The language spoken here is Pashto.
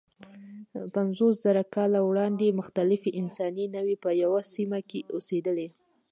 پنځوسزره کاله وړاندې مختلفې انساني نوعې په یوه سیمه کې اوسېدلې.